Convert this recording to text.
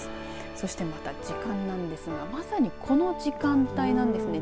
そしてまた時間なんですがまさにこの時間帯なんです。